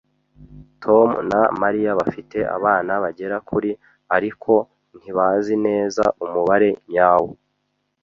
Tom na Mariya bafite abana bagera kuri ariko ntibazi neza umubare nyawo.